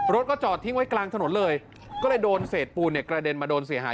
รถก็จอดทิ้งไว้กลางถนนเลยก็เลยโดนเศษปูนเนี่ยกระเด็นมาโดนเสียหาย